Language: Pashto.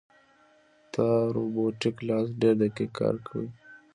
دا روبوټیک لاس ډېر دقیق کار کوي.